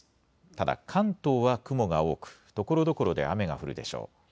ただ、関東は雲が多くところどころで雨が降るでしょう。